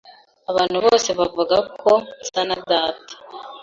Abantu bose bavuga ko nsa na data.